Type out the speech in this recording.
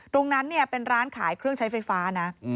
ตรงนั้นเนี่ยเป็นร้านขายเครื่องใช้ไฟฟ้านะ